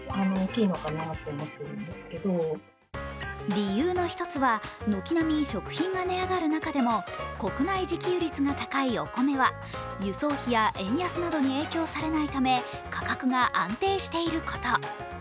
理由の一つは軒並み食品が値上がる中でも国内自給率が高いお米は輸送費や円安などに影響されないため価格が安定していること。